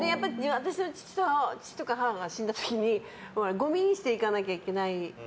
私の父とか母が死んだ時にごみ捨てに行かなきゃいけない。